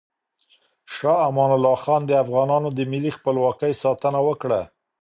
شاه امان الله خان د افغانانو د ملي خپلواکۍ ساتنه وکړه.